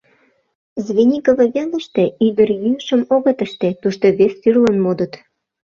Звенигово велыште ӱдырйӱышым огыт ыште, тушто вес тӱрлын модыт.